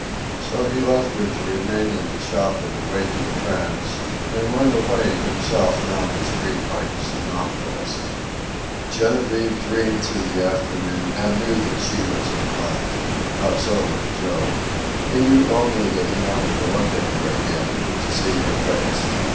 So he left her to remain in the shop in a waking trance, and went away himself down the street like a somnambulist. Genevieve dreamed through the afternoon and knew that she was in love. Not so with Joe. He knew only that he wanted to look at her again, to see her face.